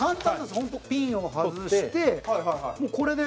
本当、ピンを外してもう、これで。